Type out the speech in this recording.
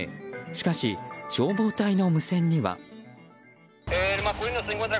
しかし消防隊の無線には。